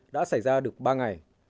đã xảy ra được ba ngày